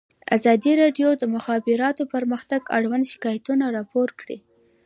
ازادي راډیو د د مخابراتو پرمختګ اړوند شکایتونه راپور کړي.